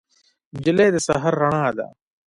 نجلۍ د سحر رڼا ده.